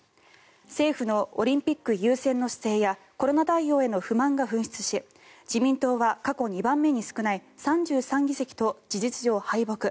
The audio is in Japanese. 政府のオリンピック優先の姿勢やコロナ対応への不満が噴出し自民党は過去２番目に少ない３３議席と事実上敗北。